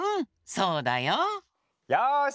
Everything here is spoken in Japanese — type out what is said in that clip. そうだよ。よし！